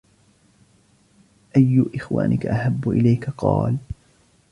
أَيُّ إخْوَانِك أَحَبُّ إلَيْك ؟ قَالَ